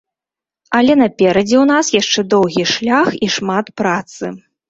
Але наперадзе у нас яшчэ доўгі шлях і шмат працы.